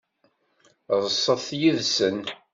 Ḍset yid-sen.